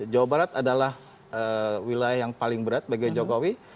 jawa barat adalah wilayah yang paling berat bagi jokowi